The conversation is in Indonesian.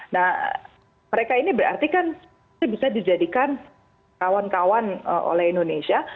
nah mereka ini berarti kan bisa dijadikan kawan kawan oleh indonesia